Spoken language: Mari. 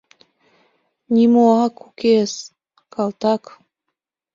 Нимоак укес, калтак.